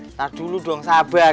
ntar dulu doang sabar